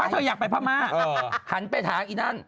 ถ้าเธออยากไปพระม่าหันไปทางอีนั่น